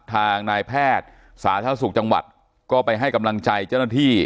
ทางนายแพทย์สาธารณสุขจังหวัดก็ไปให้กำลังใจเจ้าหน้าที่